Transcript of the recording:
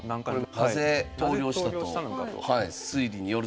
なぜ投了したと推理によると？